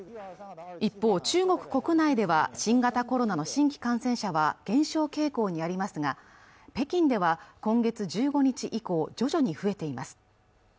一方、中国国内では新型コロナの新規感染者は減少傾向にありますが北京では今月１５日以降徐々に増えています